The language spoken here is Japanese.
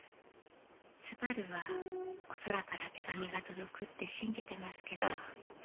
昴はお空から手紙が届くって信じてますけど。